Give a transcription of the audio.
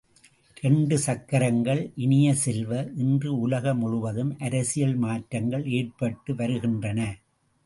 இரண்டு சக்கரங்கள் இனிய செல்வ, இன்று உலக முழுவதும் அரசியல் மாற்றங்கள் ஏற்பட்டு வருகின்றன.